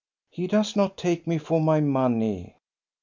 " He does not take me for my money."